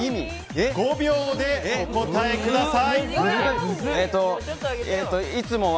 ５秒でお答えください。